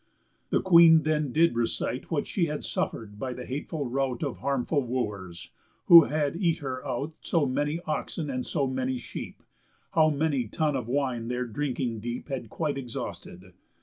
The Queen then did recite What she had suffer'd by the hateful rout Of harmful Wooers, who had eat her out So many oxen and so many sheep, How many tun of wine their drinking deep Had quite exhausted.